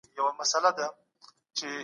سندرې د خلکو ذهني او فزیکي روغتیا ملاتړ کوي.